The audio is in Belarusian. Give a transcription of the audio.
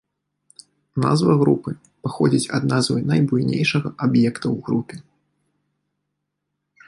Назва групы паходзіць ад назвы найбуйнейшага аб'екта ў групе.